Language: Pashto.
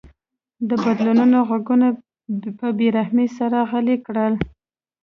د بدلونونو غږونه په بې رحمۍ سره غلي کړل.